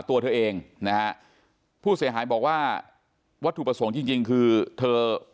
ตัวเธอเองนะฮะผู้เสียหายบอกว่าวัตถุประสงค์จริงจริงคือเธอ